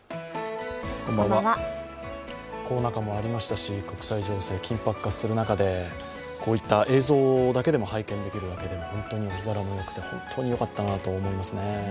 コロナ禍もありましたし、国際情勢、緊迫化する中でこういった映像だけでも拝見できるだけで、お日柄もよくて、本当によかったと思いますね。